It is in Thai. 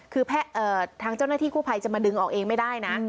คือทางเจ้าหน้าที่กู้ภัยจะมาดึงออกเองไม่ได้นะ